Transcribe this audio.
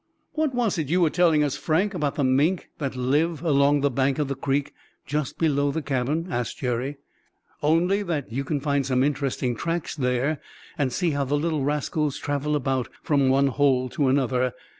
"What was it you were telling us, Frank, about the mink that live along the bank of the creek just below the cabin?" asked Jerry. "Only that you can find some interesting tracks there, and see how the little rascals travel about from one hole to another.